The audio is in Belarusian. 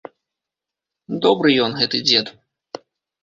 Добры ён, гэты дзед.